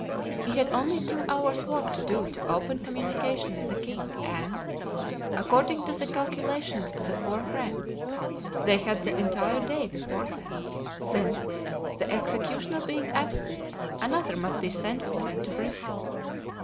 He had only two hours' work to do to open communication with the king and, according to the calculations of the four friends, they had the entire day before them, since, the executioner being absent, another must be sent for to Bristol.